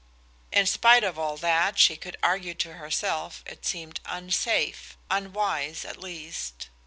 In spite of all that she could argue to herself it seemed unsafe unwise, at least.